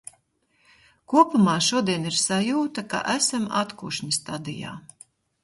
Kopumā šodien ir sajūta, ka esam atkušņa stadijā.